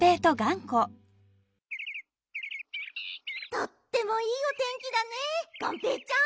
とってもいいおてんきだねがんぺーちゃん。